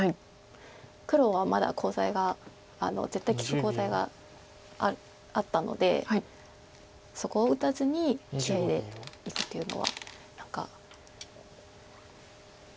黒はまだコウ材が絶対利くコウ材があったのでそこを打たずにいくというのは何か。